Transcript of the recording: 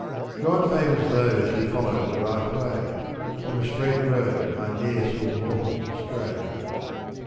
God favors those who follow the right way, From a straight road I ne'er saw mortal stray.